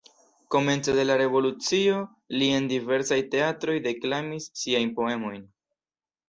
Komence de la revolucio li en diversaj teatroj deklamis siajn poemojn.